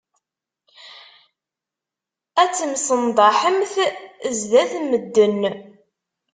Ad temsenḍaḥemt zdat medden.